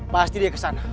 pasti dia ke sana